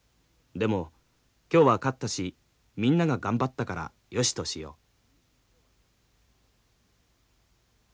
でも今日は勝ったしみんなが頑張ったからよしとしよう」。